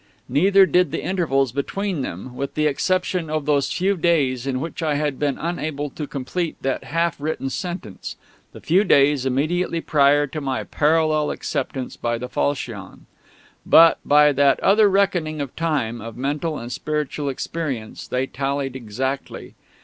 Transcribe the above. Neither did the intervals between them, with the exception of those few days in which I had been unable to complete that half written sentence the few days immediately prior to my (parallel) acceptance by the Falchion. But, by that other reckoning of time, of mental and spiritual experience, they tallied exactly.